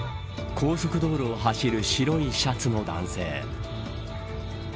高速道路を走る白いシャツの男性。